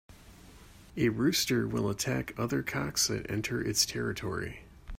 A rooster will attack other cocks that enter its territory.